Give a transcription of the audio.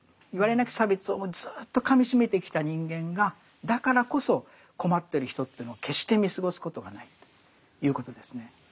なき差別をずっとかみしめてきた人間がだからこそ困ってる人というのを決して見過ごすことがないということですね。